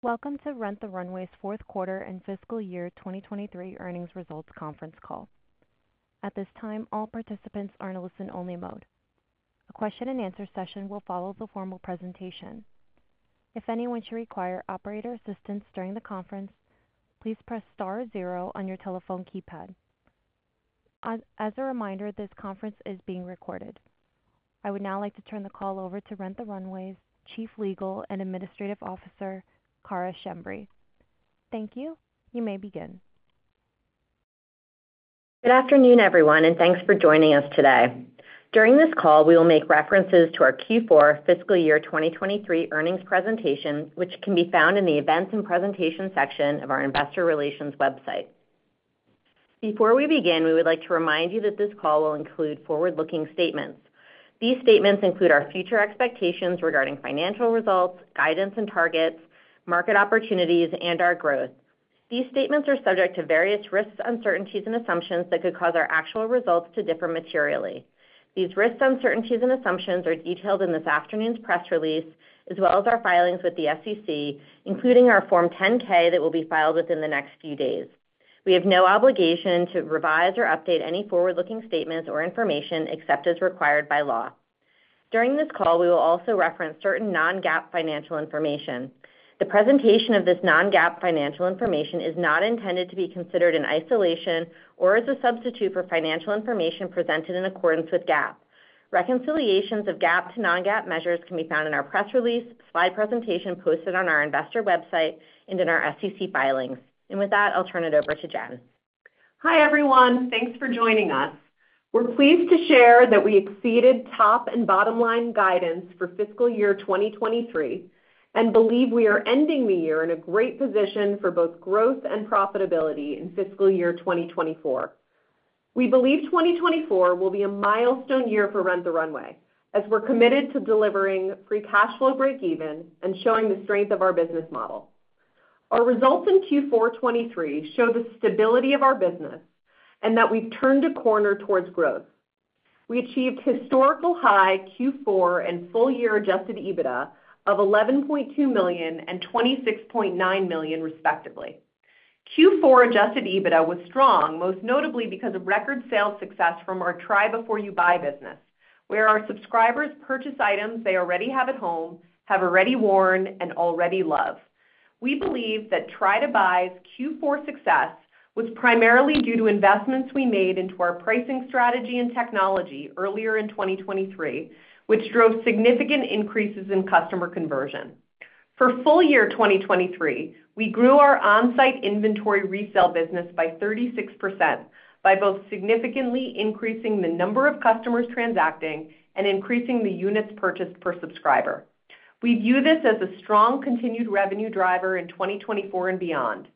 Welcome to Rent the Runway's fourth quarter and fiscal year 2023 earnings results conference call. At this time, all participants are in a listen-only mode. A question-and-answer session will follow the formal presentation. If anyone should require operator assistance during the conference, please press star zero on your telephone keypad. As a reminder, this conference is being recorded. I would now like to turn the call over to Rent the Runway's Chief Legal and Administrative Officer, Cara Schembri. Thank you. You may begin. Good afternoon, everyone, and thanks for joining us today. During this call, we will make references to our Q4 fiscal year 2023 earnings presentation, which can be found in the Events and Presentation section of our Investor Relations website. Before we begin, we would like to remind you that this call will include forward-looking statements. These statements include our future expectations regarding financial results, guidance and targets, market opportunities, and our growth. These statements are subject to various risks, uncertainties, and assumptions that could cause our actual results to differ materially. These risks, uncertainties and assumptions are detailed in this afternoon's press release, as well as our filings with the SEC, including our Form 10-K, that will be filed within the next few days. We have no obligation to revise or update any forward-looking statements or information except as required by law. During this call, we will also reference certain non-GAAP financial information. The presentation of this non-GAAP financial information is not intended to be considered in isolation or as a substitute for financial information presented in accordance with GAAP. Reconciliations of GAAP to non-GAAP measures can be found in our press release, slide presentation posted on our investor website, and in our SEC filings. With that, I'll turn it over to Jen. Hi, everyone. Thanks for joining us. We're pleased to share that we exceeded top and bottom line guidance for fiscal year 2023, and believe we are ending the year in a great position for both growth and profitability in fiscal year 2024. We believe 2024 will be a milestone year for Rent the Runway, as we're committed to delivering free cash flow breakeven and showing the strength of our business model. Our results in Q4 2023 show the stability of our business and that we've turned a corner towards growth. We achieved historical high Q4 and full year Adjusted EBITDA of $11.2 million and $26.9 million, respectively. Q4 Adjusted EBITDA was strong, most notably because of record sales success from our Try Before You Buy business, where our subscribers purchase items they already have at home, have already worn, and already love. We believe that Try Before You Buy's Q4 success was primarily due to investments we made into our pricing, strategy, and technology earlier in 2023, which drove significant increases in customer conversion. For full year 2023, we grew our on-site inventory resale business by 36%, by both significantly increasing the number of customers transacting and increasing the units purchased per subscriber. We view this as a strong continued revenue driver in 2024 and beyond.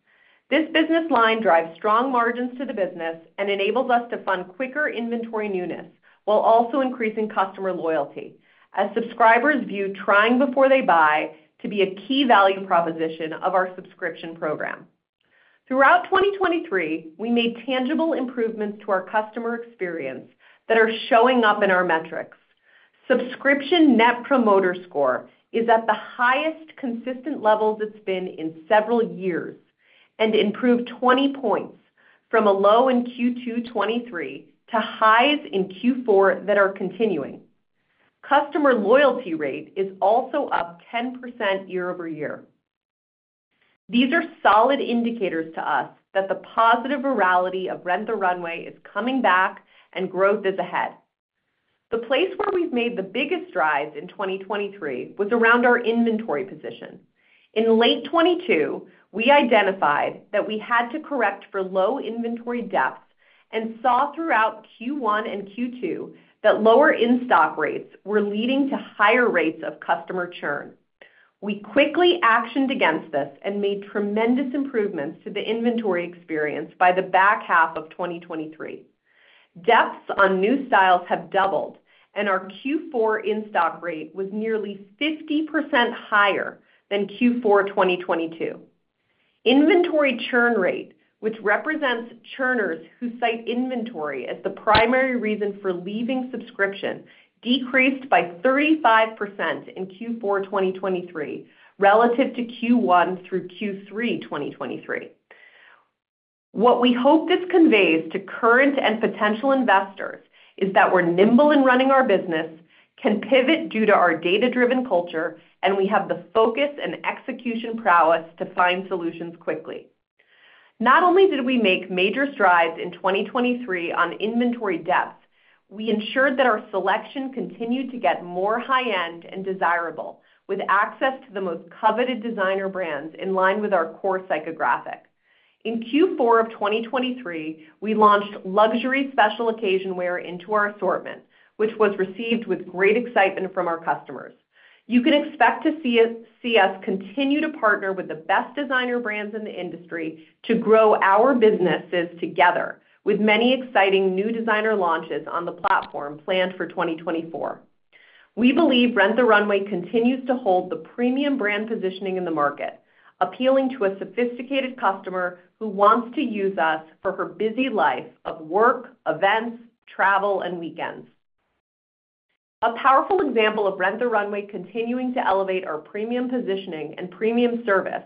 This business line drives strong margins to the business and enables us to fund quicker inventory newness while also increasing customer loyalty, as subscribers view trying before they buy to be a key value proposition of our subscription program. Throughout 2023, we made tangible improvements to our customer experience that are showing up in our metrics. Subscription Net Promoter Score is at the highest consistent level it's been in several years and improved 20 points from a low in Q2 2023 to highs in Q4 that are continuing. Customer loyalty rate is also up 10% year-over-year. These are solid indicators to us that the positive virality of Rent the Runway is coming back and growth is ahead. The place where we've made the biggest strides in 2023 was around our inventory position. In late 2022, we identified that we had to correct for low inventory depths and saw throughout Q1 and Q2 that lower in-stock rates were leading to higher rates of customer churn. We quickly actioned against this and made tremendous improvements to the inventory experience by the back half of 2023. Depths on new styles have doubled, and our Q4 In-stock rate was nearly 50% higher than Q4 2022. Inventory Churn Rate, which represents churners who cite inventory as the primary reason for leaving subscription, decreased by 35% in Q4 2023 relative to Q1-Q3 2023. What we hope this conveys to current and potential investors is that we're nimble in running our business, can pivot due to our data-driven culture, and we have the focus and execution prowess to find solutions quickly. Not only did we make major strides in 2023 on inventory depth, we ensured that our selection continued to get more high-end and desirable, with access to the most coveted designer brands in line with our core psychographic. In Q4 of 2023, we launched luxury special occasion wear into our assortment, which was received with great excitement from our customers. You can expect to see us, see us continue to partner with the best designer brands in the industry to grow our businesses together, with many exciting new designer launches on the platform planned for 2024. We believe Rent the Runway continues to hold the premium brand positioning in the market, appealing to a sophisticated customer who wants to use us for her busy life of work, events, travel, and weekends. A powerful example of Rent the Runway continuing to elevate our premium positioning and premium service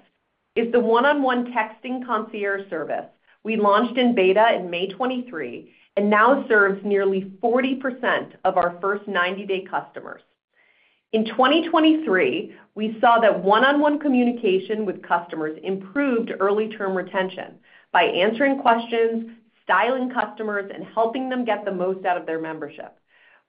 is the one-on-one texting concierge service we launched in beta in May 2023, and now serves nearly 40% of our first 90-day customers. In 2023, we saw that one-on-one communication with customers improved early term retention by answering questions, styling customers, and helping them get the most out of their membership.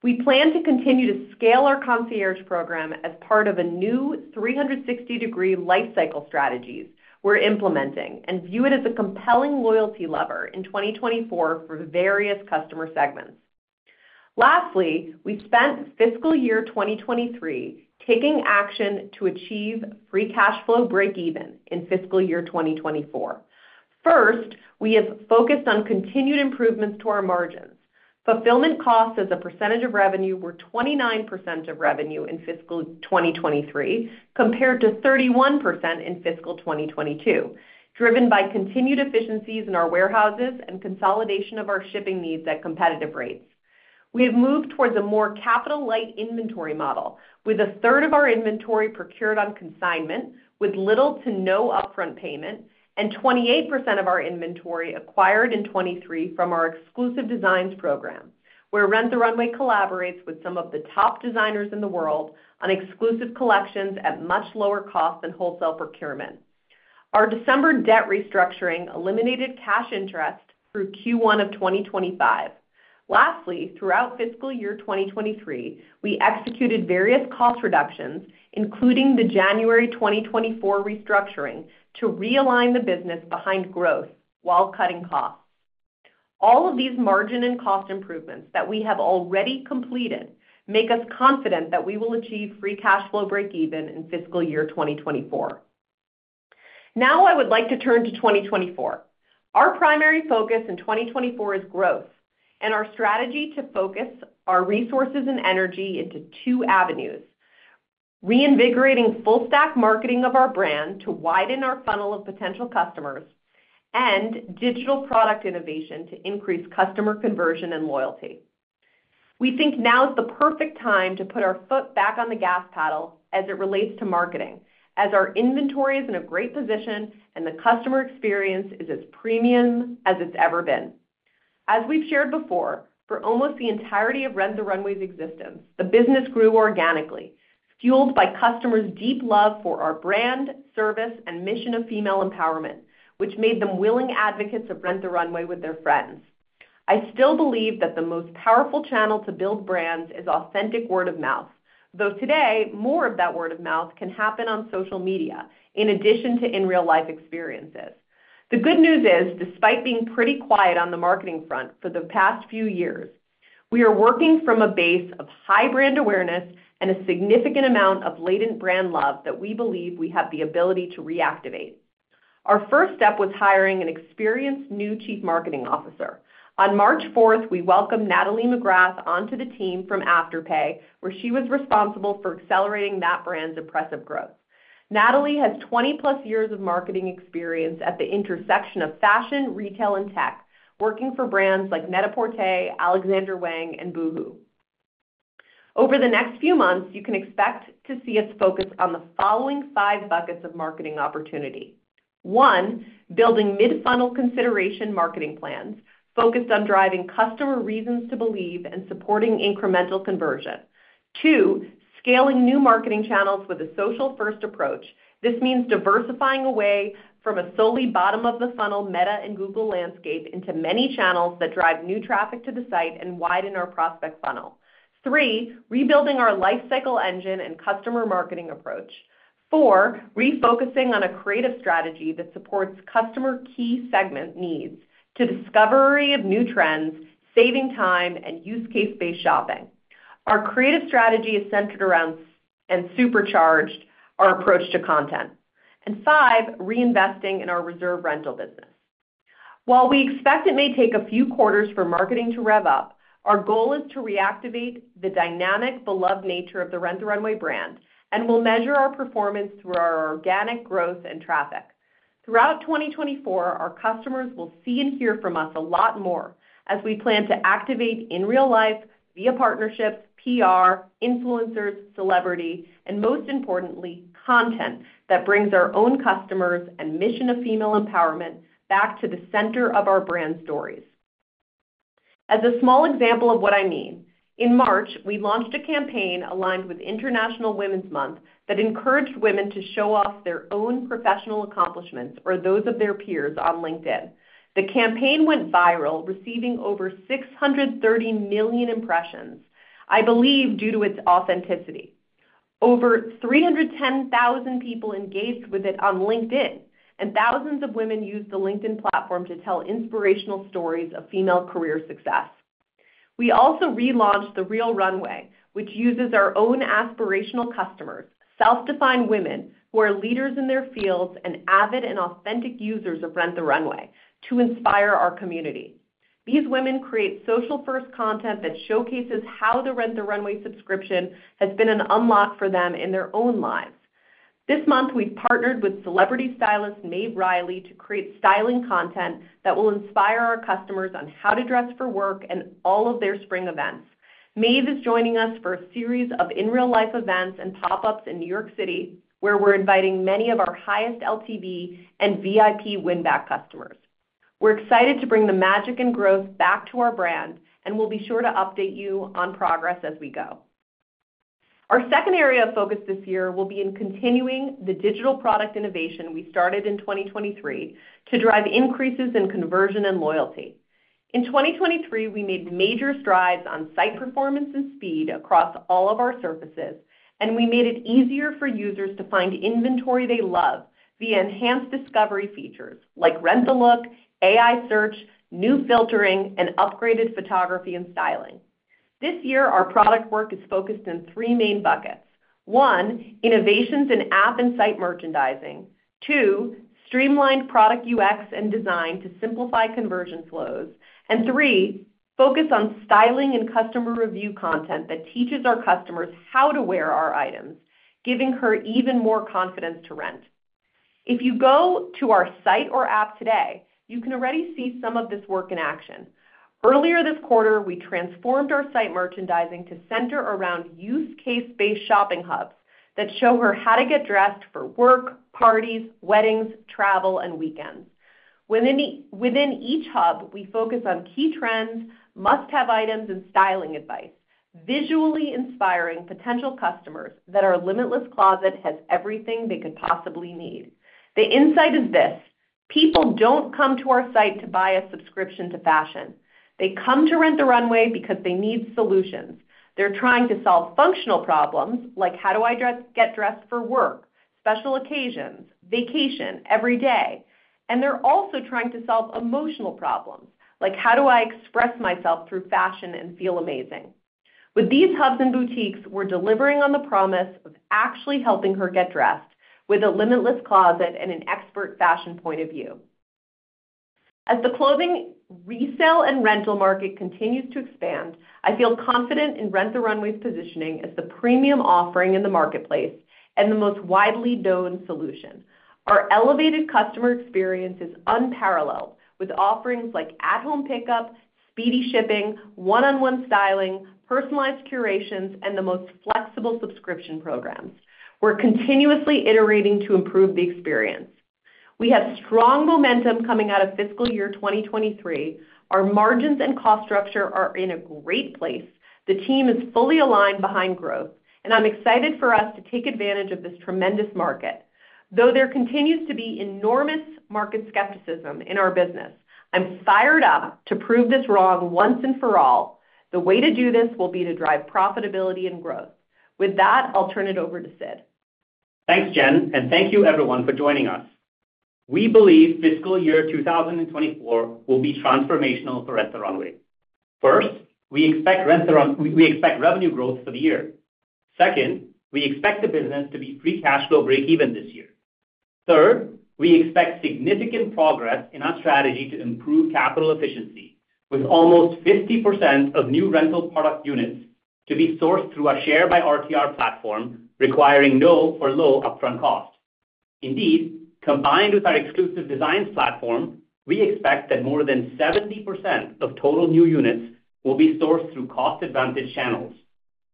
We plan to continue to scale our concierge program as part of a new 360-degree lifecycle strategies we're implementing, and view it as a compelling loyalty lever in 2024 for various customer segments. Lastly, we spent fiscal year 2023 taking action to achieve free cash flow breakeven in fiscal year 2024. First, we have focused on continued improvements to our margins. Fulfillment costs as a percentage of revenue were 29% of revenue in fiscal 2023, compared to 31% in fiscal 2022, driven by continued efficiencies in our warehouses and consolidation of our shipping needs at competitive rates. We have moved towards a more capital-light inventory model, with a third of our inventory procured on consignment, with little to no upfront payment, and 28% of our inventory acquired in 2023 from our exclusive designs program, where Rent the Runway collaborates with some of the top designers in the world on exclusive collections at much lower cost than wholesale procurement. Our December debt restructuring eliminated cash interest through Q1 of 2025. Lastly, throughout fiscal year 2023, we executed various cost reductions, including the January 2024 restructuring, to realign the business behind growth while cutting costs. All of these margin and cost improvements that we have already completed make us confident that we will achieve free cash flow breakeven in fiscal year 2024. Now I would like to turn to 2024. Our primary focus in 2024 is growth, and our strategy to focus our resources and energy into two avenues: reinvigorating full stack marketing of our brand to widen our funnel of potential customers, and digital product innovation to increase customer conversion and loyalty. We think now is the perfect time to put our foot back on the gas pedal as it relates to marketing, as our inventory is in a great position and the customer experience is as premium as it's ever been. As we've shared before, for almost the entirety of Rent the Runway's existence, the business grew organically, fueled by customers' deep love for our brand, service, and mission of female empowerment, which made them willing advocates of Rent the Runway with their friends. I still believe that the most powerful channel to build brands is authentic word of mouth, though today, more of that word of mouth can happen on social media in addition to in real life experiences. The good news is, despite being pretty quiet on the marketing front for the past few years, we are working from a base of high brand awareness and a significant amount of latent brand love that we believe we have the ability to reactivate. Our first step was hiring an experienced new chief marketing officer. On March fourth, we welcomed Natalie McGrath onto the team from Afterpay, where she was responsible for accelerating that brand's impressive growth. Natalie has 20+ years of marketing experience at the intersection of fashion, retail, and tech, working for brands like Net-a-Porter, Alexander Wang, and Boohoo. Over the next few months, you can expect to see us focus on the following five buckets of marketing opportunity. One, building mid-funnel consideration marketing plans focused on driving customer reasons to believe and supporting incremental conversion. Two, scaling new marketing channels with a social-first approach. This means diversifying away from a solely bottom-of-the-funnel Meta and Google landscape into many channels that drive new traffic to the site and widen our prospect funnel. Three, rebuilding our life cycle engine and customer marketing approach. Four, refocusing on a creative strategy that supports customer key segment needs to discovery of new trends, saving time, and use case-based shopping. Our creative strategy is centered around and supercharged our approach to content. And five, reinvesting in our Reserve rental business. While we expect it may take a few quarters for marketing to rev up, our goal is to reactivate the dynamic, beloved nature of the Rent the Runway brand, and we'll measure our performance through our organic growth and traffic. Throughout 2024, our customers will see and hear from us a lot more as we plan to activate in real life via partnerships, PR, influencers, celebrity, and most importantly, content that brings our own customers and mission of female empowerment back to the center of our brand stories. As a small example of what I mean, in March, we launched a campaign aligned with International Women's Month that encouraged women to show off their own professional accomplishments or those of their peers on LinkedIn. The campaign went viral, receiving over 630 million impressions, I believe, due to its authenticity. Over 310,000 people engaged with it on LinkedIn, and thousands of women used the LinkedIn platform to tell inspirational stories of female career success. We also relaunched The Real Runway, which uses our own aspirational customers, self-defined women, who are leaders in their fields and avid and authentic users of Rent the Runway to inspire our community. These women create social-first content that showcases how the Rent the Runway subscription has been an unlock for them in their own lives... This month, we've partnered with celebrity stylist, Maeve Reilly, to create styling content that will inspire our customers on how to dress for work and all of their spring events. Maeve is joining us for a series of in-real-life events and pop-ups in New York City, where we're inviting many of our highest LTV and VIP win-back customers. We're excited to bring the magic and growth back to our brand, and we'll be sure to update you on progress as we go. Our second area of focus this year will be in continuing the digital product innovation we started in 2023 to drive increases in conversion and loyalty. In 2023, we made major strides on site performance and speed across all of our surfaces, and we made it easier for users to find inventory they love via enhanced discovery features, like Rent the Look, AI search, new filtering, and upgraded photography and styling. This year, our product work is focused in three main buckets: One, innovations in app and site merchandising. Two, streamlined product UX and design to simplify conversion flows. And three, focus on styling and customer review content that teaches our customers how to wear our items, giving her even more confidence to rent. If you go to our site or app today, you can already see some of this work in action. Earlier this quarter, we transformed our site merchandising to center around use case-based shopping hubs that show her how to get dressed for work, parties, weddings, travel, and weekends. Within each hub, we focus on key trends, must-have items, and styling advice, visually inspiring potential customers that our limitless closet has everything they could possibly need. The insight is this: people don't come to our site to buy a subscription to fashion. They come to Rent the Runway because they need solutions. They're trying to solve functional problems, like how do I get dressed for work, special occasions, vacation, every day? And they're also trying to solve emotional problems, like: How do I express myself through fashion and feel amazing? With these hubs and boutiques, we're delivering on the promise of actually helping her get dressed with a limitless closet and an expert fashion point of view. As the clothing, resale, and rental market continues to expand, I feel confident in Rent the Runway's positioning as the premium offering in the marketplace and the most widely known solution. Our elevated customer experience is unparalleled, with offerings like at-home pickup, speedy shipping, one-on-one styling, personalized curations, and the most flexible subscription programs. We're continuously iterating to improve the experience. We have strong momentum coming out of fiscal year 2023. Our margins and cost structure are in a great place. The team is fully aligned behind growth, and I'm excited for us to take advantage of this tremendous market. Though there continues to be enormous market skepticism in our business, I'm fired up to prove this wrong once and for all. The way to do this will be to drive profitability and growth. With that, I'll turn it over to Sid. Thanks, Jen, and thank you everyone for joining us. We believe fiscal year 2024 will be transformational for Rent the Runway. First, we expect Rent the Runway. We expect revenue growth for the year. Second, we expect the business to be free cash flow breakeven this year. Third, we expect significant progress in our strategy to improve capital efficiency, with almost 50% of new rental product units to be sourced through our Share by RTR platform, requiring no or low upfront costs. Indeed, combined with our exclusive design platform, we expect that more than 70% of total new units will be sourced through cost-advantage channels.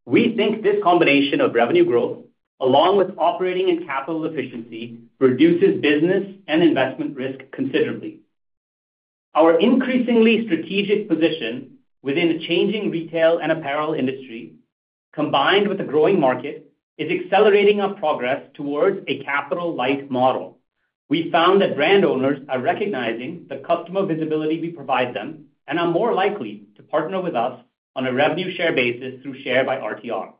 We think this combination of revenue growth, along with operating and capital efficiency, reduces business and investment risk considerably. Our increasingly strategic position within the changing retail and apparel industry, combined with the growing market, is accelerating our progress towards a capital-light model. We found that brand owners are recognizing the customer visibility we provide them and are more likely to partner with us on a revenue share basis through Share by RTR.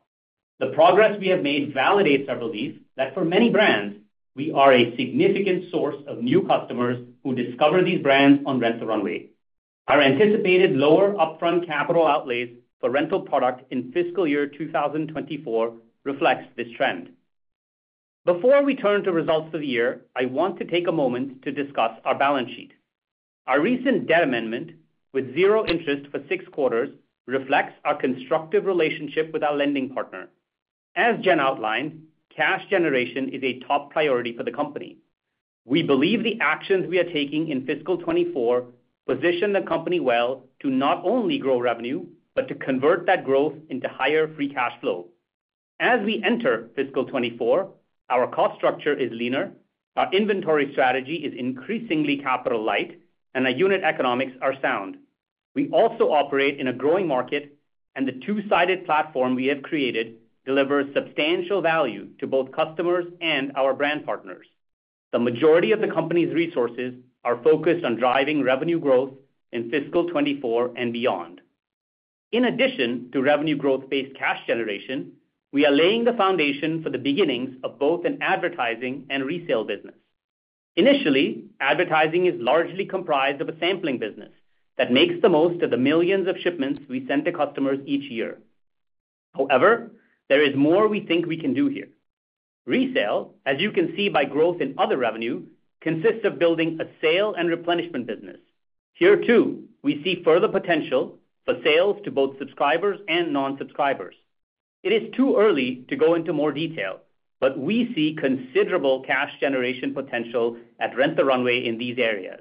The progress we have made validates our belief that for many brands, we are a significant source of new customers who discover these brands on Rent the Runway. Our anticipated lower upfront capital outlays for rental product in fiscal year 2024 reflects this trend. Before we turn to results for the year, I want to take a moment to discuss our balance sheet. Our recent debt amendment, with zero interest for six quarters, reflects our constructive relationship with our lending partner. As Jen outlined, cash generation is a top priority for the company. We believe the actions we are taking in fiscal 2024 position the company well to not only grow revenue, but to convert that growth into higher free cash flow. As we enter fiscal 2024, our cost structure is leaner, our inventory strategy is increasingly capital light, and our unit economics are sound. We also operate in a growing market, and the two-sided platform we have created delivers substantial value to both customers and our brand partners. The majority of the company's resources are focused on driving revenue growth in fiscal 2024 and beyond. In addition to revenue growth-based cash generation, we are laying the foundation for the beginnings of both an advertising and resale business. Initially, advertising is largely comprised of a sampling business that makes the most of the millions of shipments we send to customers each year. However, there is more we think we can do here. Resale, as you can see by growth in other revenue, consists of building a sale and replenishment business. Here, too, we see further potential for sales to both subscribers and non-subscribers. It is too early to go into more detail, but we see considerable cash generation potential at Rent the Runway in these areas.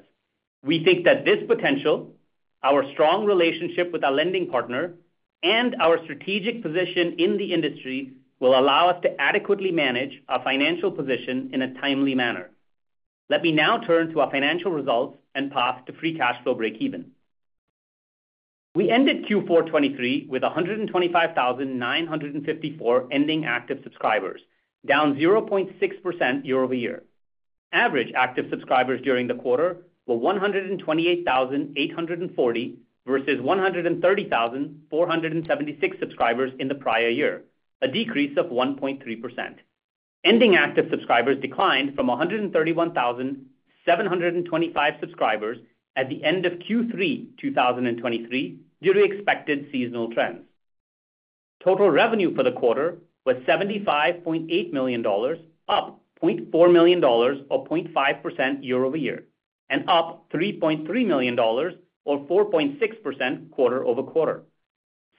We think that this potential, our strong relationship with our lending partner, and our strategic position in the industry, will allow us to adequately manage our financial position in a timely manner. Let me now turn to our financial results and path to free cash flow breakeven. We ended Q4 2023 with 125,954 ending active subscribers, down 0.6% year-over-year. Average active subscribers during the quarter were 128,840, versus 130,476 subscribers in the prior year, a decrease of 1.3%. Ending active subscribers declined from 131,725 subscribers at the end of Q3 2023, due to expected seasonal trends. Total revenue for the quarter was $75.8 million, up $0.4 million, or 0.5% year-over-year, and up $3.3 million, or 4.6% quarter-over-quarter.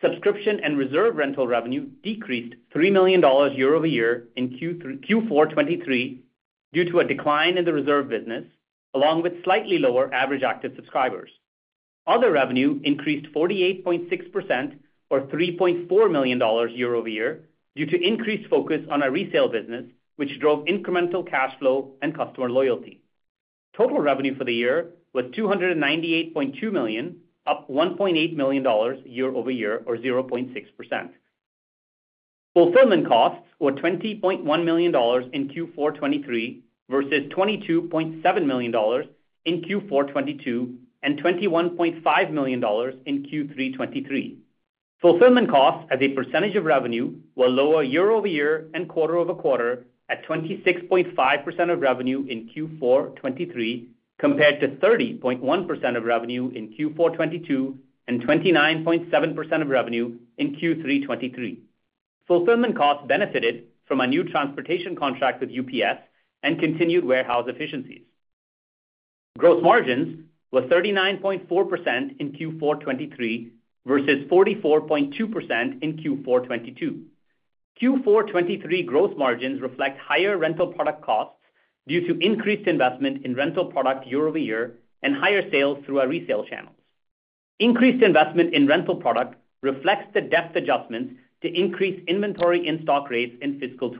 Subscription and reserve rental revenue decreased $3 million year-over-year in Q4 2023, due to a decline in the reserve business, along with slightly lower average active subscribers. Other revenue increased 48.6%, or $3.4 million year-over-year, due to increased focus on our resale business, which drove incremental cash flow and customer loyalty. Total revenue for the year was $298.2 million, up $1.8 million year-over-year, or 0.6%. Fulfillment costs were $20.1 million in Q4 2023, versus $22.7 million in Q4 2022, and $21.5 million in Q3 2023. Fulfillment costs as a percentage of revenue were lower year-over-year and quarter-over-quarter at 26.5% of revenue in Q4 2023, compared to 30.1% of revenue in Q4 2022, and 29.7% of revenue in Q3 2023. Fulfillment costs benefited from a new transportation contract with UPS and continued warehouse efficiencies. Gross margins were 39.4% in Q4 2023 versus 44.2% in Q4 2022. Q4 2023 gross margins reflect higher rental product costs due to increased investment in rental product year-over-year and higher sales through our resale channels. Increased investment in rental product reflects the depth adjustments to increase inventory in-stock rates in fiscal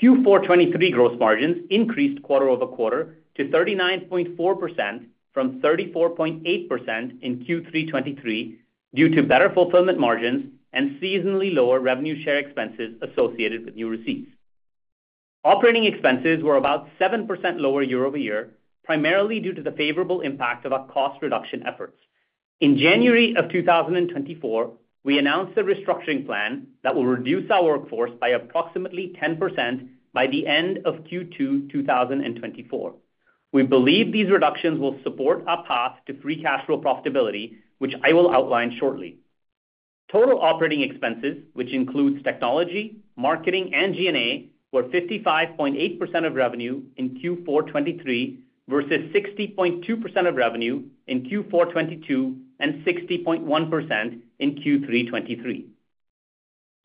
2023. Q4 2023 gross margins increased quarter-over-quarter to 39.4% from 34.8% in Q3 2023, due to better fulfillment margins and seasonally lower revenue share expenses associated with new receipts. Operating expenses were about 7% lower year-over-year, primarily due to the favorable impact of our cost reduction efforts. In January 2024, we announced a restructuring plan that will reduce our workforce by approximately 10% by the end of Q2 2024. We believe these reductions will support our path to free cash flow profitability, which I will outline shortly. Total operating expenses, which includes technology, marketing, and G&A, were 55.8% of revenue in Q4 2023, versus 60.2% of revenue in Q4 2022, and 60.1% in Q3 2023.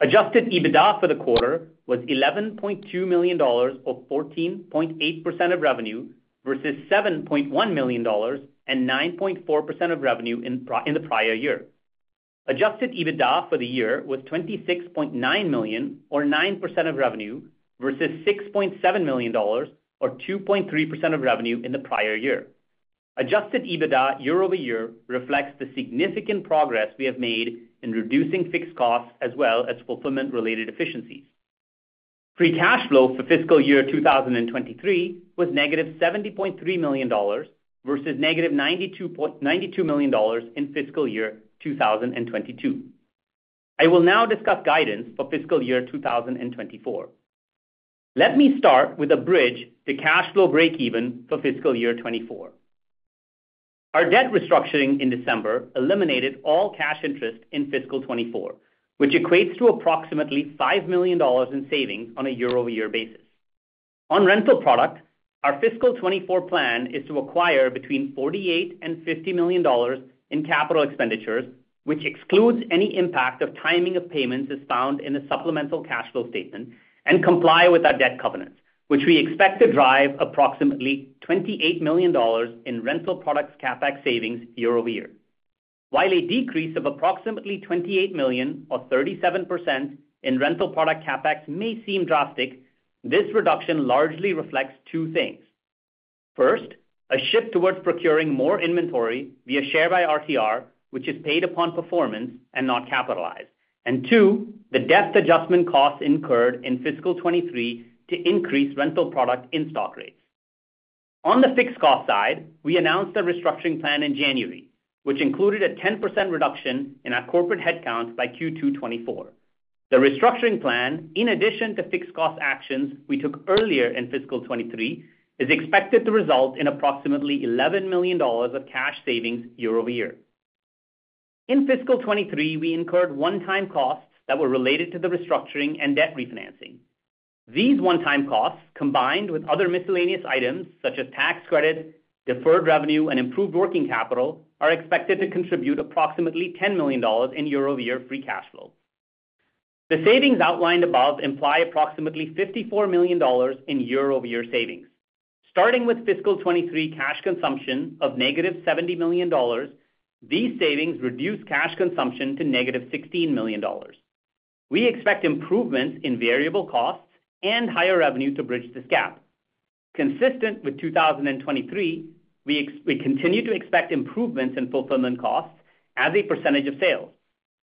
Adjusted EBITDA for the quarter was $11.2 million, or 14.8% of revenue, versus $7.1 million and 9.4% of revenue in the prior year. Adjusted EBITDA for the year was $26.9 million, or 9% of revenue, versus $6.7 million, or 2.3% of revenue in the prior year. Adjusted EBITDA year-over-year reflects the significant progress we have made in reducing fixed costs as well as fulfillment-related efficiencies. Free Cash Flow for fiscal year 2023 was $70.3 million versus $92.9 million in fiscal year 2022. I will now discuss guidance for fiscal year 2024. Let me start with a bridge to cash flow breakeven for fiscal year 2024. Our debt restructuring in December eliminated all cash interest in fiscal 2024, which equates to approximately $5 million in savings on a year-over-year basis. On rental product, our fiscal 2024 plan is to acquire between $48 million and $50 million in capital expenditures, which excludes any impact of timing of payments as found in the supplemental cash flow statement, and comply with our debt covenants, which we expect to drive approximately $28 million in rental products CapEx savings year-over-year. While a decrease of approximately $28 million or 37% in rental product CapEx may seem drastic, this reduction largely reflects two things: First, a shift towards procuring more inventory via Share by RTR, which is paid upon performance and not capitalized. And two, the debt adjustment costs incurred in fiscal 2023 to increase rental product in-stock rates. On the fixed cost side, we announced a restructuring plan in January, which included a 10% reduction in our corporate headcount by Q2 2024. The restructuring plan, in addition to fixed cost actions we took earlier in fiscal 2023, is expected to result in approximately $11 million of cash savings year over year. In fiscal 2023, we incurred one-time costs that were related to the restructuring and debt refinancing. These one-time costs, combined with other miscellaneous items such as tax credit, deferred revenue, and improved working capital, are expected to contribute approximately $10 million in year-over-year free cash flow. The savings outlined above imply approximately $54 million in year-over-year savings. Starting with fiscal 2023 cash consumption of $70 million, these savings reduce cash consumption to $16 million. We expect improvements in variable costs and higher revenue to bridge this gap. Consistent with 2023, we continue to expect improvements in fulfillment costs as a percentage of sales.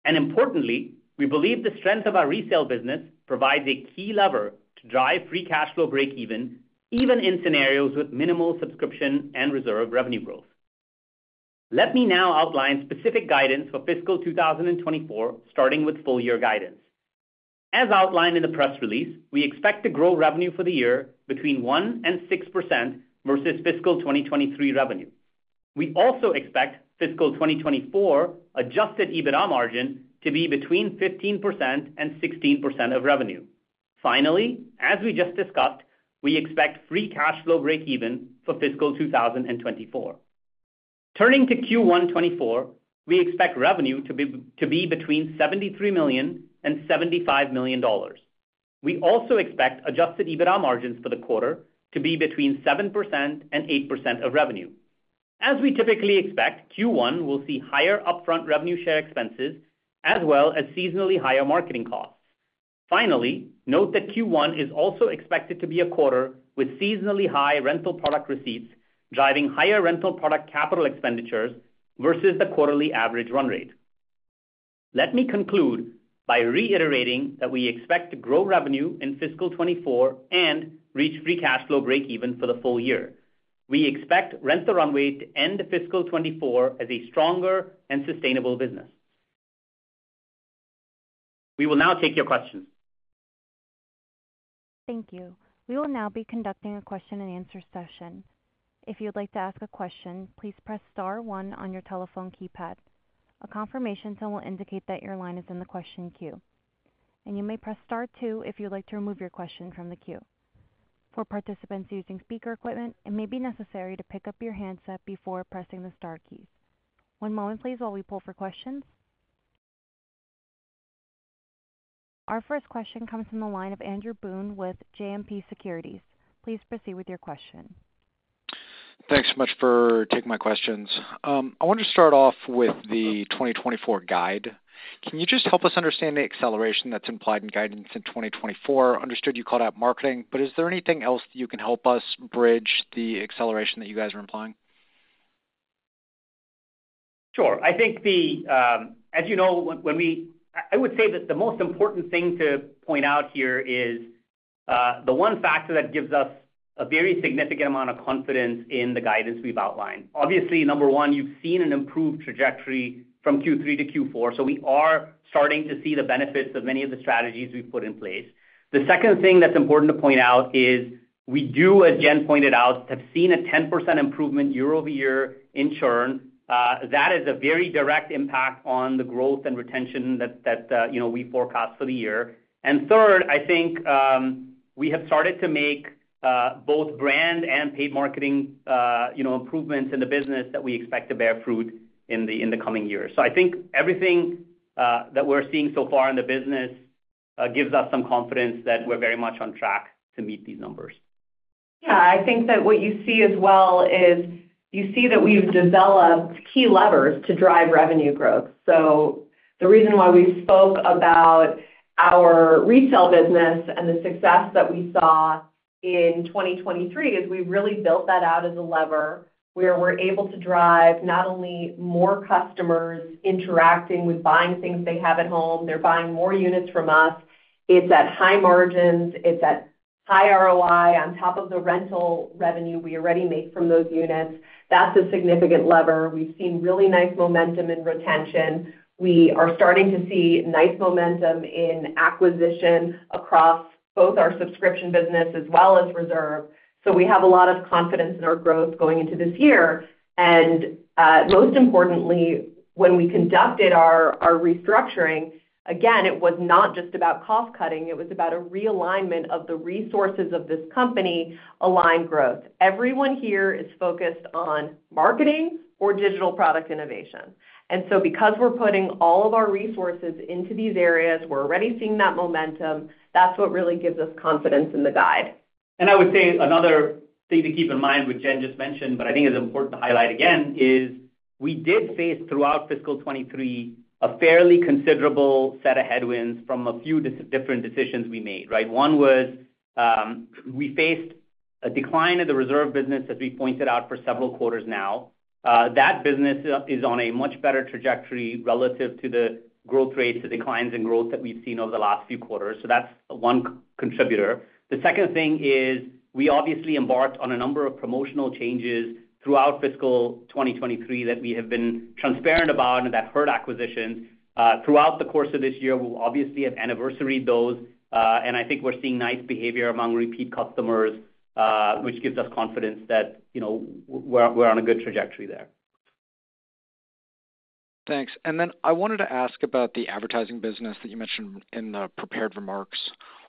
And importantly, we believe the strength of our resale business provides a key lever to drive free cash flow breakeven, even in scenarios with minimal subscription and reserve revenue growth. Let me now outline specific guidance for fiscal 2024, starting with full year guidance. As outlined in the press release, we expect to grow revenue for the year between 1% and 6% versus fiscal 2023 revenue. We also expect fiscal 2024 Adjusted EBITDA margin to be between 15% and 16% of revenue. Finally, as we just discussed, we expect free cash flow breakeven for fiscal 2024. Turning to Q1 2024, we expect revenue to be between $73 million and $75 million. We also expect Adjusted EBITDA margins for the quarter to be between 7% and 8% of revenue. As we typically expect, Q1 will see higher upfront revenue share expenses, as well as seasonally higher marketing costs. Finally, note that Q1 is also expected to be a quarter with seasonally high rental product receipts, driving higher rental product capital expenditures versus the quarterly average run rate. Let me conclude by reiterating that we expect to grow revenue in fiscal 2024 and reach Free Cash Flow breakeven for the full year. We expect Rent the Runway to end fiscal 2024 as a stronger and sustainable business. We will now take your questions. Thank you. We will now be conducting a question-and-answer session. If you'd like to ask a question, please press star one on your telephone keypad. A confirmation tone will indicate that your line is in the question queue, and you may press star two if you'd like to remove your question from the queue. For participants using speaker equipment, it may be necessary to pick up your handset before pressing the star keys. One moment please, while we pull for questions. Our first question comes from the line of Andrew Boone with JMP Securities. Please proceed with your question. Thanks so much for taking my questions. I want to start off with the 2024 guide. Can you just help us understand the acceleration that's implied in guidance in 2024? Understood you called out marketing, but is there anything else you can help us bridge the acceleration that you guys are implying? Sure. I think, as you know, I would say that the most important thing to point out here is the one factor that gives us a very significant amount of confidence in the guidance we've outlined. Obviously, number one, you've seen an improved trajectory from Q3 to Q4, so we are starting to see the benefits of many of the strategies we've put in place. The second thing that's important to point out is we do, as Jen pointed out, have seen a 10% improvement year-over-year in churn. That is a very direct impact on the growth and retention that you know, we forecast for the year. And third, I think, we have started to make both brand and paid marketing, you know, improvements in the business that we expect to bear fruit in the coming years. So I think everything that we're seeing so far in the business gives us some confidence that we're very much on track to meet these numbers. Yeah, I think that what you see as well is, you see that we've developed key levers to drive revenue growth. So the reason why we spoke about our retail business and the success that we saw in 2023, is we really built that out as a lever, where we're able to drive not only more customers interacting with buying things they have at home, they're buying more units from us. It's at high margins, it's at high ROI, on top of the rental revenue we already make from those units. That's a significant lever. We've seen really nice momentum in retention. We are starting to see nice momentum in acquisition across both our subscription business as well as reserve. So we have a lot of confidence in our growth going into this year. Most importantly, when we conducted our restructuring, again, it was not just about cost cutting, it was about a realignment of the resources of this company, align growth. Everyone here is focused on marketing or digital product innovation. And so because we're putting all of our resources into these areas, we're already seeing that momentum. That's what really gives us confidence in the guide. I would say another thing to keep in mind, which Jen just mentioned, but I think it's important to highlight again, is we did face, throughout fiscal 2023, a fairly considerable set of headwinds from a few different decisions we made, right? One was, we faced a decline in the reserve business, as we pointed out, for several quarters now. That business is on a much better trajectory relative to the growth rates, the declines in growth that we've seen over the last few quarters. So that's one contributor. The second thing is, we obviously embarked on a number of promotional changes throughout fiscal 2023 that we have been transparent about and that hurt acquisitions. Throughout the course of this year, we'll obviously have anniversaried those, and I think we're seeing nice behavior among repeat customers, which gives us confidence that, you know, we're, we're on a good trajectory there.... Thanks. And then I wanted to ask about the advertising business that you mentioned in the prepared remarks.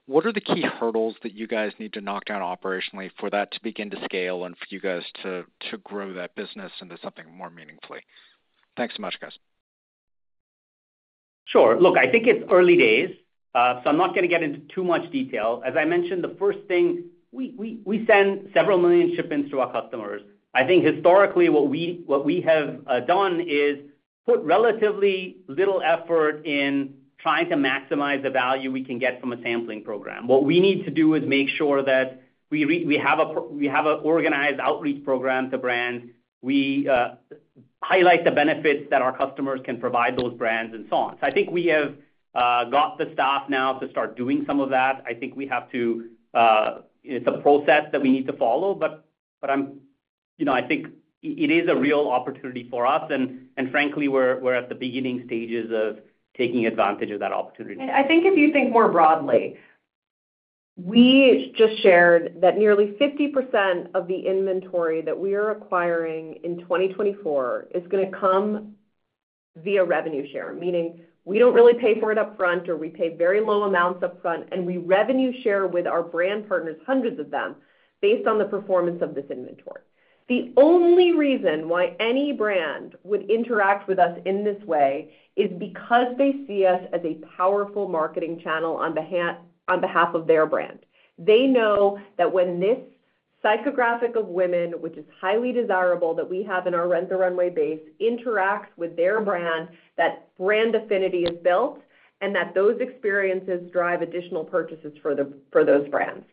What are the key hurdles that you guys need to knock down operationally for that to begin to scale and for you guys to grow that business into something more meaningfully? Thanks so much, guys. Sure. Look, I think it's early days, so I'm not going to get into too much detail. As I mentioned, the first thing, we send several million shipments to our customers. I think historically, what we have done is put relatively little effort in trying to maximize the value we can get from a sampling program. What we need to do is make sure that we have an organized outreach program to brands. We highlight the benefits that our customers can provide those brands and so on. So I think we have got the staff now to start doing some of that. I think we have to, it's a process that we need to follow, but I'm... You know, I think it is a real opportunity for us, and frankly, we're at the beginning stages of taking advantage of that opportunity. I think if you think more broadly, we just shared that nearly 50% of the inventory that we are acquiring in 2024 is gonna come via revenue share, meaning we don't really pay for it upfront, or we pay very low amounts upfront, and we revenue share with our brand partners, hundreds of them, based on the performance of this inventory. The only reason why any brand would interact with us in this way is because they see us as a powerful marketing channel on behalf, on behalf of their brand. They know that when this psychographic of women, which is highly desirable, that we have in our Rent the Runway base, interacts with their brand, that brand affinity is built, and that those experiences drive additional purchases for the, for those brands.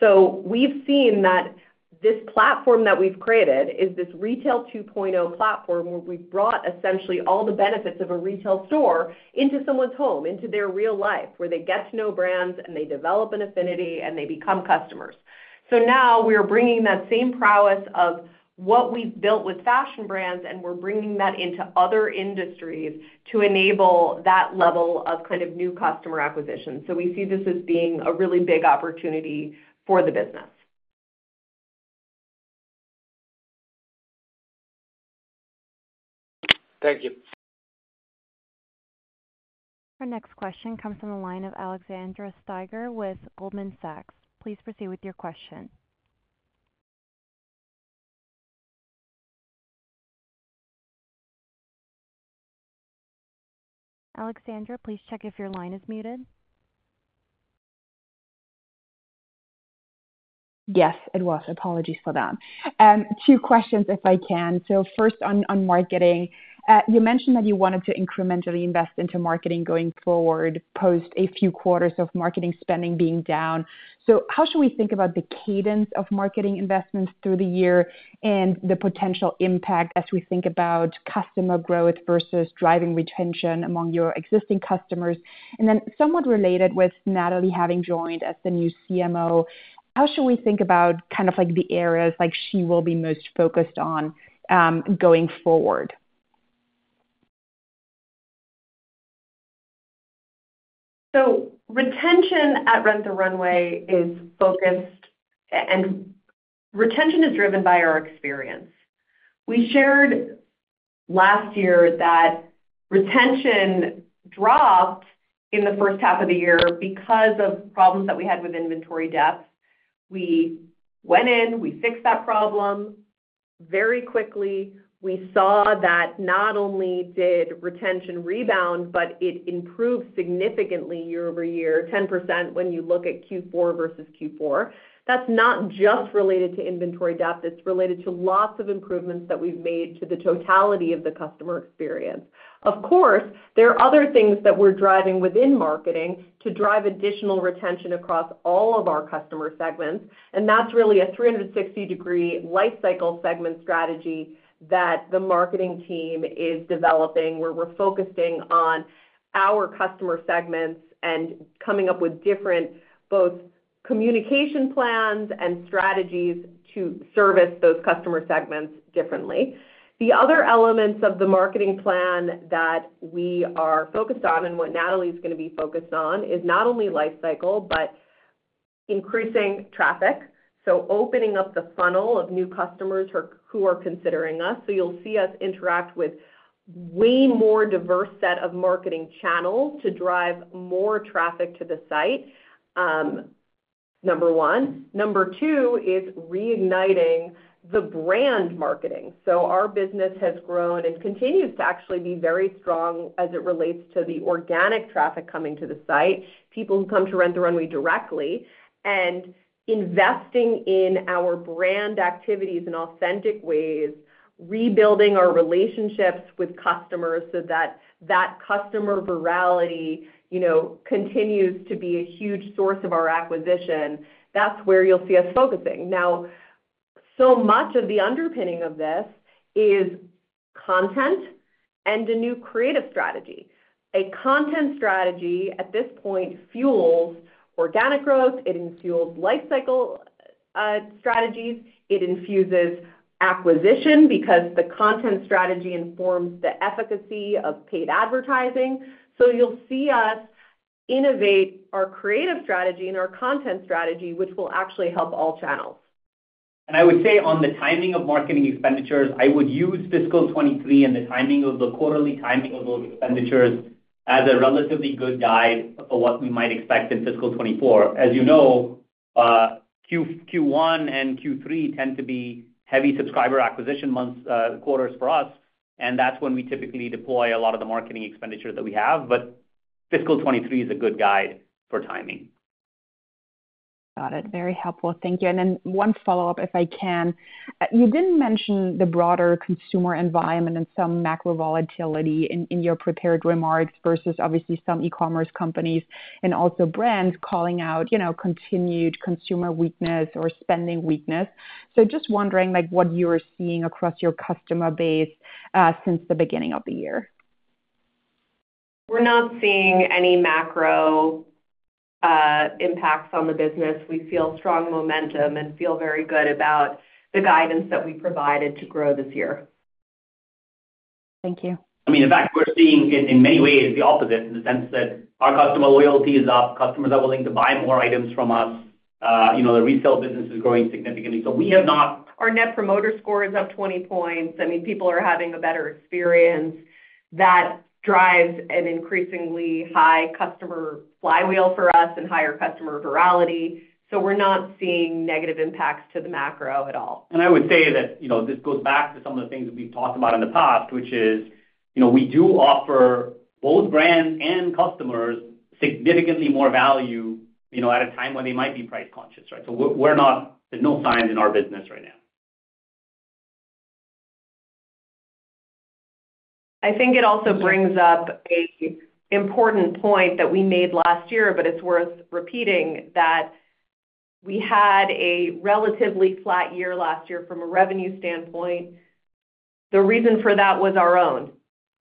So we've seen that this platform that we've created is this retail 2.0 platform, where we've brought essentially all the benefits of a retail store into someone's home, into their real life, where they get to know brands, and they develop an affinity, and they become customers. So now we are bringing that same prowess of what we've built with fashion brands, and we're bringing that into other industries to enable that level of kind of new customer acquisition. So we see this as being a really big opportunity for the business. Thank you. Our next question comes from the line of Alexandra Steiger with Goldman Sachs. Please proceed with your question. Alexandra, please check if your line is muted. Yes, it was. Apologies for that. Two questions, if I can. So first on, on marketing. You mentioned that you wanted to incrementally invest into marketing going forward, post a few quarters of marketing spending being down. So how should we think about the cadence of marketing investments through the year, and the potential impact as we think about customer growth versus driving retention among your existing customers? And then, somewhat related, with Natalie having joined as the new CMO, how should we think about kind of like, the areas, like, she will be most focused on, going forward? So retention at Rent the Runway is focused and retention is driven by our experience. We shared last year that retention dropped in the first half of the year because of problems that we had with inventory depth. We went in, we fixed that problem very quickly. We saw that not only did retention rebound, but it improved significantly year-over-year, 10% when you look at Q4 versus Q4. That's not just related to inventory depth, it's related to lots of improvements that we've made to the totality of the customer experience. Of course, there are other things that we're driving within marketing to drive additional retention across all of our customer segments, and that's really a 360-degree life cycle segment strategy that the marketing team is developing, where we're focusing on our customer segments and coming up with different, both communication plans and strategies to service those customer segments differently. The other elements of the marketing plan that we are focused on, and what Natalie is gonna be focused on, is not only life cycle, but increasing traffic, so opening up the funnel of new customers who are considering us. So you'll see us interact with way more diverse set of marketing channels to drive more traffic to the site, number one. Number two is reigniting the brand marketing. So our business has grown and continues to actually be very strong as it relates to the organic traffic coming to the site, people who come to Rent the Runway directly, and investing in our brand activities in authentic ways, rebuilding our relationships with customers so that that customer virality, you know, continues to be a huge source of our acquisition. That's where you'll see us focusing. Now, so much of the underpinning of this is content and a new creative strategy. A content strategy, at this point, fuels organic growth, it fuels life cycle strategies, it infuses acquisition, because the content strategy informs the efficacy of paid advertising. So you'll see us innovate our creative strategy and our content strategy, which will actually help all channels.... I would say on the timing of marketing expenditures, I would use fiscal 2023 and the timing of the quarterly timing of those expenditures as a relatively good guide for what we might expect in fiscal 2024. As you know, Q1 and Q3 tend to be heavy subscriber acquisition months, quarters for us, and that's when we typically deploy a lot of the marketing expenditure that we have. But fiscal 2023 is a good guide for timing. Got it. Very helpful. Thank you. And then one follow-up, if I can. You didn't mention the broader consumer environment and some macro volatility in your prepared remarks, versus obviously some e-commerce companies and also brands calling out, you know, continued consumer weakness or spending weakness. So just wondering, like, what you are seeing across your customer base since the beginning of the year. We're not seeing any macro, impacts on the business. We feel strong momentum and feel very good about the guidance that we provided to grow this year. Thank you. I mean, in fact, we're seeing in, in many ways, the opposite, in the sense that our customer loyalty is up. Customers are willing to buy more items from us. You know, the resale business is growing significantly, so we have not- Our Net Promoter Score is up 20 points. I mean, people are having a better experience. That drives an increasingly high customer flywheel for us and higher customer virality. So we're not seeing negative impacts to the macro at all. I would say that, you know, this goes back to some of the things that we've talked about in the past, which is, you know, we do offer both brands and customers significantly more value, you know, at a time when they might be price conscious, right? So we're not. There's no signs in our business right now. I think it also brings up an important point that we made last year, but it's worth repeating, that we had a relatively flat year last year from a revenue standpoint. The reason for that was our own.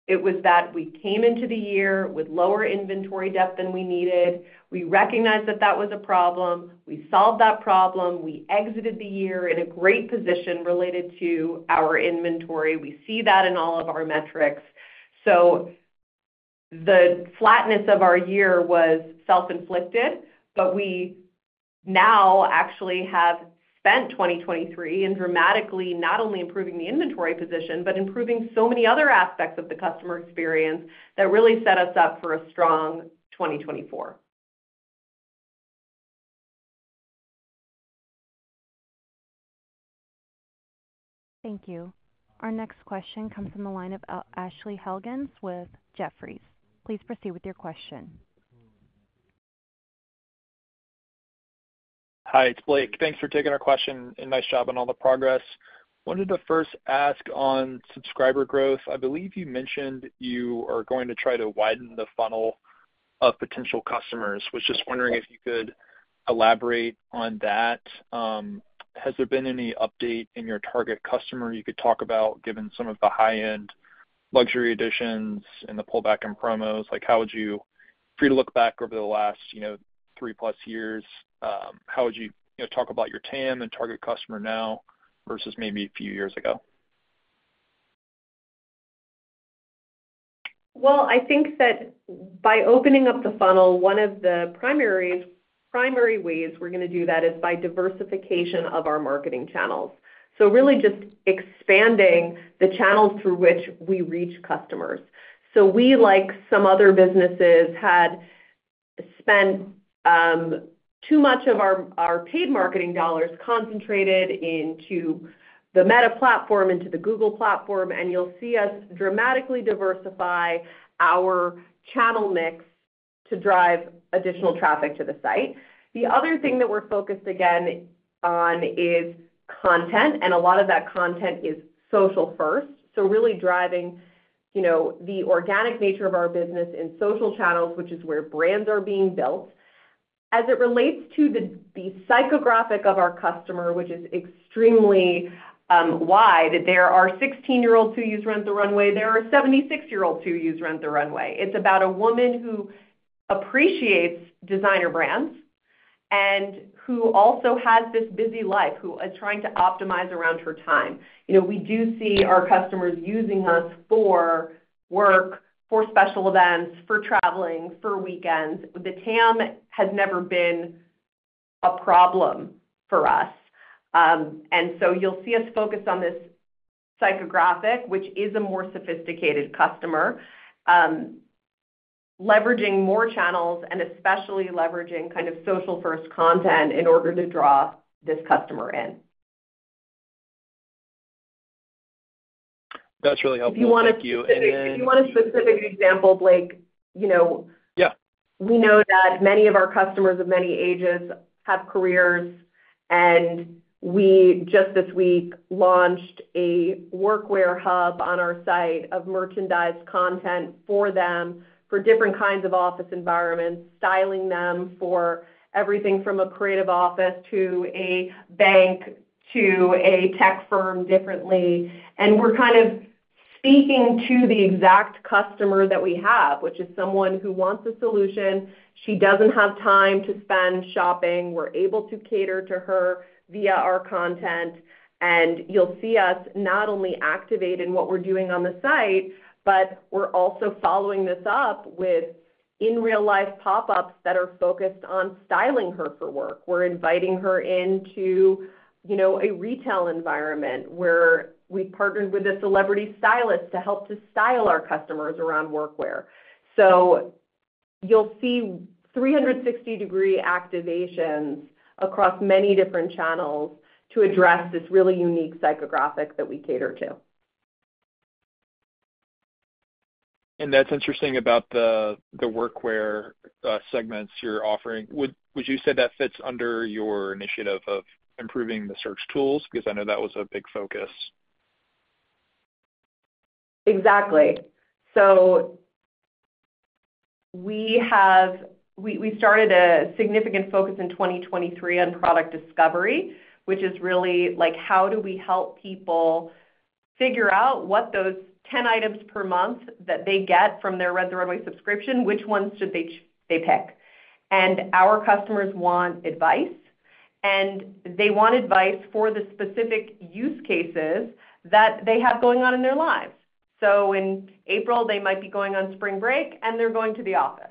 It was that we came into the year with lower inventory depth than we needed. We recognized that that was a problem. We solved that problem. We exited the year in a great position related to our inventory. We see that in all of our metrics. So the flatness of our year was self-inflicted, but we now actually have spent 2023 in dramatically not only improving the inventory position, but improving so many other aspects of the customer experience that really set us up for a strong 2024. Thank you. Our next question comes from the line of Ashley Helgens with Jefferies. Please proceed with your question. Hi, it's Blake. Thanks for taking our question, and nice job on all the progress. Wanted to first ask on subscriber growth. I believe you mentioned you are going to try to widen the funnel of potential customers. Was just wondering if you could elaborate on that. Has there been any update in your target customer you could talk about, given some of the high-end luxury additions and the pullback in promos? Like, how would you... For you to look back over the last, you know, three-plus years, how would you, you know, talk about your TAM and target customer now versus maybe a few years ago? Well, I think that by opening up the funnel, one of the primary ways we're going to do that is by diversification of our marketing channels. So really just expanding the channels through which we reach customers. So we, like some other businesses, had spent too much of our paid marketing dollars concentrated into the Meta platform, into the Google platform, and you'll see us dramatically diversify our channel mix to drive additional traffic to the site. The other thing that we're focused again on is content, and a lot of that content is social first. So really driving, you know, the organic nature of our business in social channels, which is where brands are being built. As it relates to the psychographic of our customer, which is extremely wide, there are 16-year-olds who use Rent the Runway. There are 76-year-olds who use Rent the Runway. It's about a woman who appreciates designer brands and who also has this busy life, who is trying to optimize around her time. You know, we do see our customers using us for work, for special events, for traveling, for weekends. The TAM has never been a problem for us. And so you'll see us focused on this psychographic, which is a more sophisticated customer, leveraging more channels and especially leveraging kind of social-first content in order to draw this customer in. That's really helpful. Thank you. If you want a specific example, Blake, you know- Yeah. We know that many of our customers of many ages have careers, and we just this week launched a workwear hub on our site of merchandise content for them, for different kinds of office environments, styling them for everything from a creative office to a bank to a tech firm differently. We're kind of speaking to the exact customer that we have, which is someone who wants a solution. She doesn't have time to spend shopping. We're able to cater to her via our content, and you'll see us not only activate in what we're doing on the site, but we're also following this up with in real life pop-ups that are focused on styling her for work. We're inviting her into, you know, a retail environment, where we partnered with a celebrity stylist to help to style our customers around workwear. You'll see 360-degree activations across many different channels to address this really unique psychographic that we cater to. That's interesting about the workwear segments you're offering. Would you say that fits under your initiative of improving the search tools? Because I know that was a big focus. Exactly. So we started a significant focus in 2023 on product discovery, which is really, like, how do we help people figure out what those 10 items per month that they get from their Rent the Runway subscription, which ones should they pick? And our customers want advice, and they want advice for the specific use cases that they have going on in their lives. So in April, they might be going on spring break, and they're going to the office.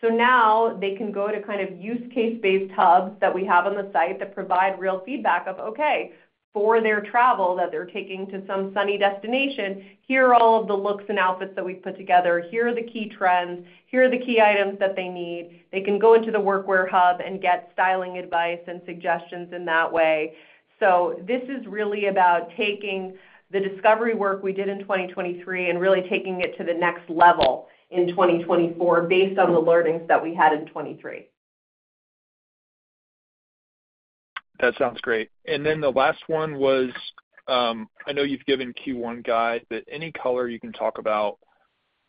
So now they can go to kind of use case-based hubs that we have on the site that provide real feedback of, okay, for their travel that they're taking to some sunny destination, here are all of the looks and outfits that we've put together. Here are the key trends. Here are the key items that they need. They can go into the Workwear hub and get styling advice and suggestions in that way. So this is really about taking the discovery work we did in 2023, and really taking it to the next level in 2024, based on the learnings that we had in 2023. That sounds great. And then the last one was, I know you've given Q1 guide, but any color you can talk about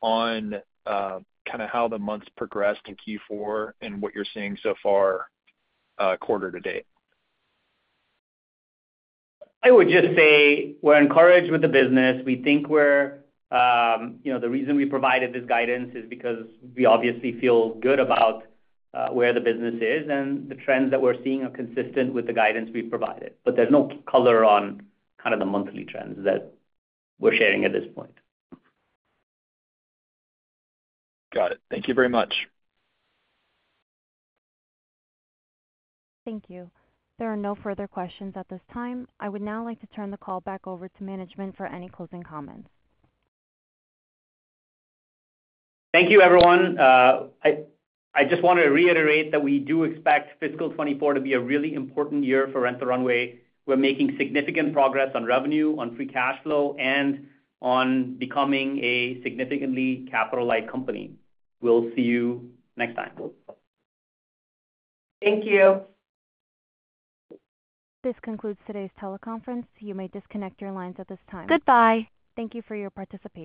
on kinda how the months progressed in Q4 and what you're seeing so far, quarter to date? I would just say we're encouraged with the business. We think we're. You know, the reason we provided this guidance is because we obviously feel good about where the business is, and the trends that we're seeing are consistent with the guidance we've provided. But there's no color on kind of the monthly trends that we're sharing at this point. Got it. Thank you very much. Thank you. There are no further questions at this time. I would now like to turn the call back over to management for any closing comments. Thank you, everyone. I just want to reiterate that we do expect fiscal 2024 to be a really important year for Rent the Runway. We're making significant progress on revenue, on free cash flow, and on becoming a significantly capital-light company. We'll see you next time. Thank you. This concludes today's teleconference. You may disconnect your lines at this time. Goodbye. Thank you for your participation.